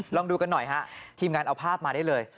ลองดูกันหน่อยฮะทีมงานเอาภาพมาได้เลย